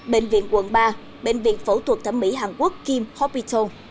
bệnh viện quận ba bệnh viện phẫu thuật thẩm mỹ hàn quốc kim hopital